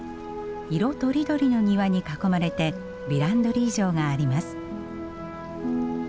色とりどりの庭に囲まれてヴィランドリー城があります。